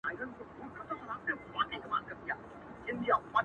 هم ساړه هم به باران وي څوک به ځای نه در کوینه-